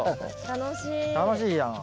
楽しいやん。